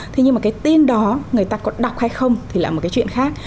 thế nhưng mà cái tin đó người ta có đọc hay không thì lại một cái chuyện khác